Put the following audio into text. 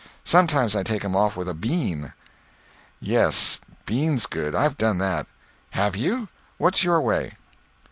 Sometimes I take 'em off with a bean." "Yes, bean's good. I've done that." "Have you? What's your way?"